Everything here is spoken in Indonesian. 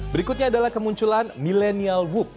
berikutnya adalah kemunculan millennial woop